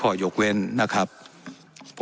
และยังเป็นประธานกรรมการอีก